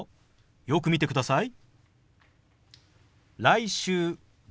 よく見てください。